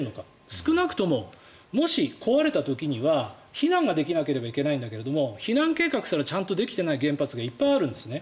少なくとも、もし壊れた時には避難ができなければいけないんだけど避難計画すらちゃんとできていない原発がいっぱいあるんですね。